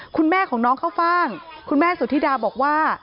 คุณแม่ของน้องข้าวฟ่างคุณแม่สุธิดาบอกว่า